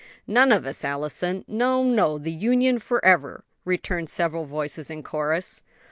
"None of us, Allison! No, no! the Union forever!" returned several voices in chorus.